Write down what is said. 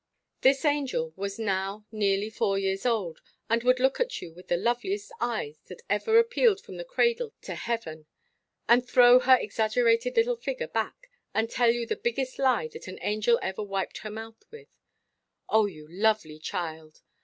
This angel was now nearly four years old, and would look at you with the loveliest eyes that ever appealed from the cradle to heaven, and throw her exaggerated little figure back, and tell you the biggest lie that an angel ever wiped her mouth over. Oh, you lovely child!